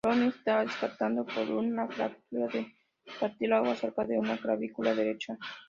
Looney estaba descartado por una fractura de cartílago cerca de su clavícula derecha.